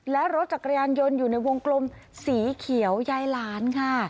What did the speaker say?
และรถจักรยานยนต์อยู่ในวงกลมสีเขียวยายหลานค่ะ